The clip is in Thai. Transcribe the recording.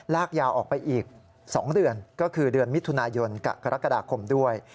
ลากยาวออกไปอีก๒เดือนก็คือเดือนมิถุนายนกับกรกฎาคมด้วย